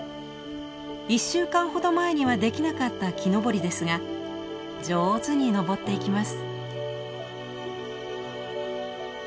１週間ほど前にはできなかった木登りですが上手に登っていきます。